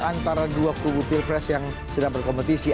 antara dua kubu pilpres yang sedang berkompetisi